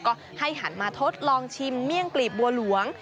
ก็ให้หันมาทดลองชิมเมี่ยงกลีบบัวหลวง